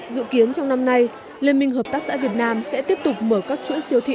dự kiến trong năm nay liên minh hợp tác xã việt nam sẽ tiếp tục mở các chuỗi siêu thị